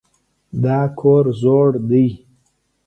دا کور زوړ دی.